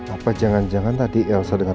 apa jangan jangan tadi elsa dengar